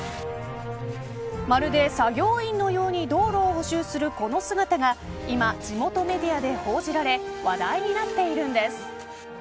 まるで作業員のように道路を補修するこの姿が今、地元メディアで報じられ話題になっているんです。